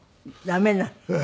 駄目なの？